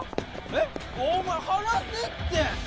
えっ？お前離せって！